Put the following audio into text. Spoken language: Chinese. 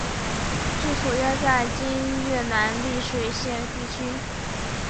治所约在今越南丽水县地区。